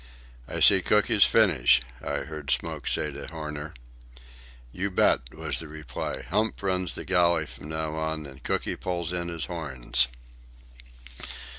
"I see Cooky's finish," I heard Smoke say to Horner. "You bet," was the reply. "Hump runs the galley from now on, and Cooky pulls in his horns."